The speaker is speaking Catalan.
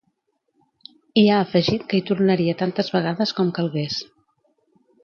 I ha afegit que hi tornaria tantes vegades com calgués.